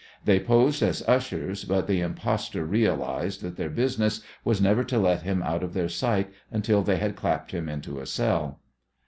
They posed as ushers, but the impostor realized that their business was never to let him out of their sight until they had clapped him into a cell.